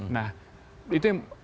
nah itu yang